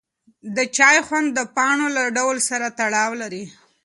د چای خوند د پاڼو له ډول سره تړاو لري.